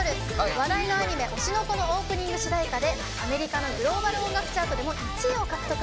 話題のアニメ「推しの子」のオープニング主題歌でアメリカのグローバル音楽チャートでも１位を獲得。